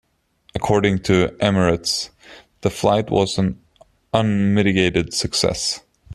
According to Emirates, the flight was an "unmitigated success".